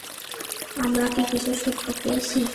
আমরা কিছু সূত্র পেয়েছি।